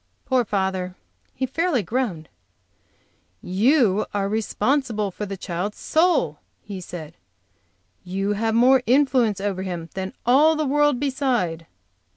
Poor father! He fairly groaned. "You are responsible for that child's soul;" he said; "you have more influence over him than all the world beside."